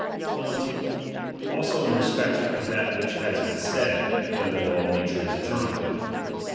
20. Also in respect of that M'hich hath been said, that the law of nature is eternal.